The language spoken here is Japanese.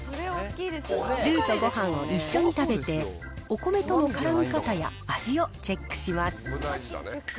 ルートごはんを一緒に食べて、お米とのからみ方や味をチェックします。